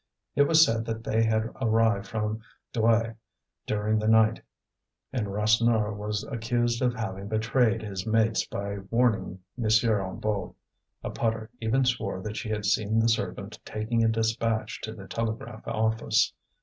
It was said that they had arrived from Douai during the night, and Rasseneur was accused of having betrayed his mates by warning M. Hennebeau; a putter even swore that she had seen the servant taking a dispatch to the telegraph office.